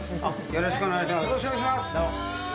よろしくお願いします。